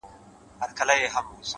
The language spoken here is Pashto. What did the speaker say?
o ناځواني؛